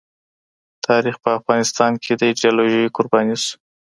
تاریخ په افغانستان کې د ایډیالوژیو قرباني سو.